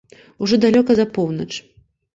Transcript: Ужо далёка за поўнач.